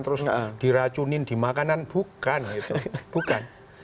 terus diracunin di makanan bukan gitu bukan